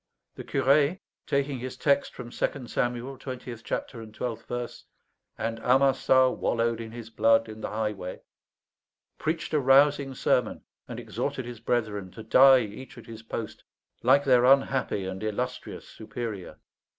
The curé, taking his text from Second Samuel, twentieth chapter and twelfth verse, "And Amasa wallowed in his blood in the highway," preached a rousing sermon, and exhorted his brethren to die each at his post, like their unhappy and illustrious superior.